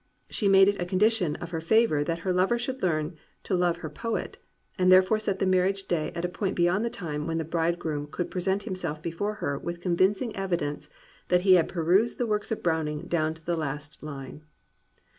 She made it a condition of her favour that her lover should learn to love her poet, and therefore set the marriage day at a point beyond the time when the bridegroom could present himself before her with convincing evidence that he had perused the works of Browming down to the last line.